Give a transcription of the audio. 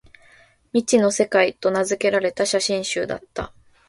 「未知の世界」と名づけられた写真集だった